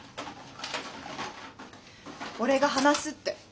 俺が話すって。